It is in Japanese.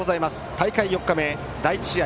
大会４日目第１試合。